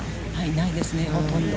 ないですね、ほとんど。